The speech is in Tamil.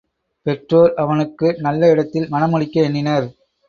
பெற்றோர் அவனுக்கு நல்ல இடத்தில் மணமுடிக்க எண்ணினர்.